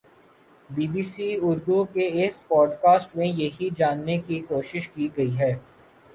be B C Urdu کی اس podcast میں یہی جاننے کی کوشش کی گئی ہے